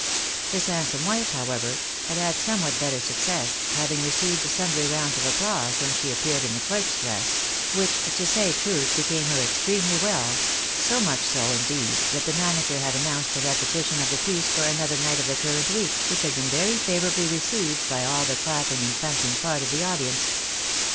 His handsome wife, how ever, had had somewhat better success, having received sundry rounds of applause when she appeared in the clerk's dress ; which, to say truth, became her extremely well, so much so, indeed , that the manager had announced a repetition of the piece for another night of the current week, which had been very favourably received by all the clapping and thumping part of the audience.